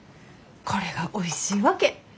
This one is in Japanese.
これがおいしいわけ！